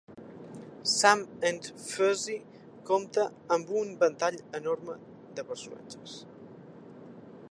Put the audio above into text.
"Sam and Fuzzy" compta amb un ventall enorme de personatges.